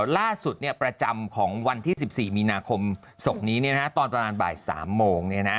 ประจำของวันที่๑๔มีนาคมศพนี้ตอนประมาณบ่าย๓โมง